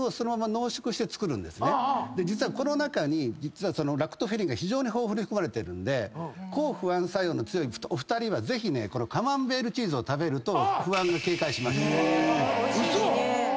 実はこの中にラクトフェリンが非常に豊富に含まれてるんで抗不安作用の強いお二人はぜひカマンベールチーズを食べると。